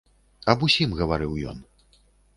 Аб усім гаварыў ён.